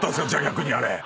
⁉逆にあれ。